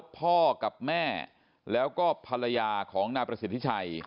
พ่อกับแม่แล้วก็ภรรยาของนายประสิทธิชัย